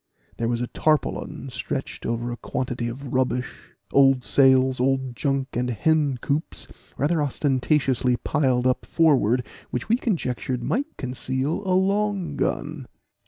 There was a tarpaulin stretched over a quantity of rubbish, old sails, old junk, and hencoops, rather ostentatiously piled up forward, which we conjectured might conceal a long gun.